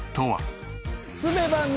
住めば都！